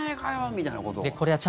みたいなことは。